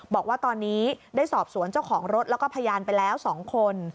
บอกว่าตอนนี้ได้สอบสวนเจ้าของรถแล้วก็พยานไปแล้ว๒คน